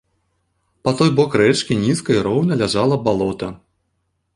Па той бок рэчкі нізка і роўна ляжала балота.